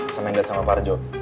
sama yang dapet sama pak arjo